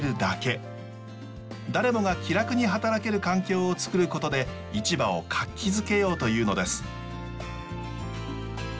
誰もが気楽に働ける環境を作ることで市場を活気づけようというのです。